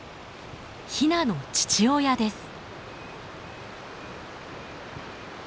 ヒナの父親です。